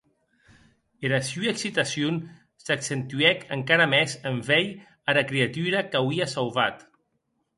Era sua excitacion s’accentuèc encara mès en veir ara creatura qu’auie sauvat.